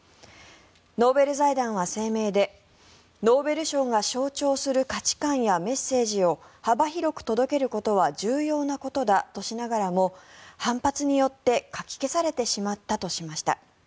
ノーベル財団は声明でノーベル賞が象徴する価値観やメッセージを幅広く届けることは重要なことだとしながらも反発によってかき消されてしまったとしました。